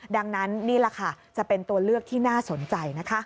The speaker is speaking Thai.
ดังนั้นนี่แหละค่ะจะเป็นตัวเลือกที่น่าสนใจนะคะ